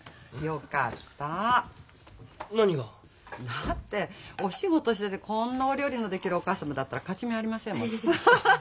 だってお仕事しててこんなお料理のできるお母様だったら勝ち目ありませんものアハハハ。